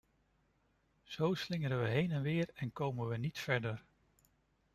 Zo slingeren we heen en weer en komen we niet verder.